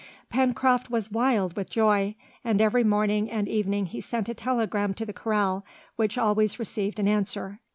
Pencroft was wild with joy, and every morning and evening he sent a telegram to the corral, which always received an answer.